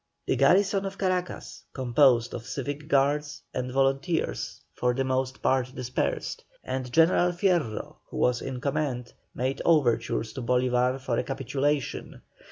The garrison of Caracas, composed of civic guards and volunteers, for the most part dispersed, and General Fierro, who was in command, made overtures to Bolívar for a capitulation.